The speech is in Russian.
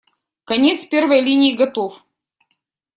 Конец первой линии готов.